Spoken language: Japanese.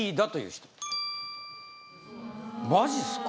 これマジっすか？